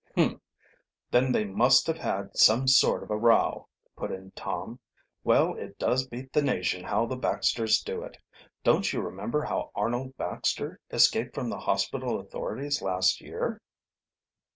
"Humph! Then they must have had some sort of a row," put in Tom. "Well, it does beat the nation how the Baxters do it. Don't you remember how Arnold Baxter escaped from the hospital authorities last year?"